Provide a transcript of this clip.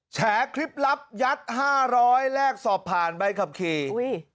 แชร์คลิปลับยัด๕๐๐แลกสอบผ่านใบขับขี่